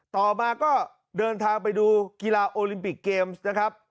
ต่อมาก็เดินทางไปดูกีฬาโอลิมปิกเกมส์นะครับ